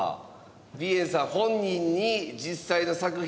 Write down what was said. ＢＩＥＮさん本人に実際の作品を。